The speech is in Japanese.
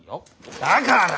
だから！